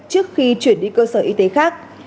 trước khi chuyển đi cơ sở y tế khác